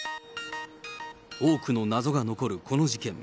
多くの謎が残るこの事件。